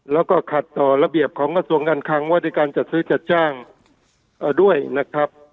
แล้วก็ขัดต่อระเบียบของกระทรวงการคังว่าด้วยการจัดซื้อจัดจ้างด้วยนะครับ